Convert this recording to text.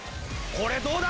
これどうだ！？